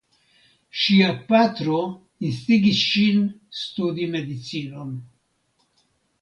Ŝia patro instigis ŝin studi medicinon.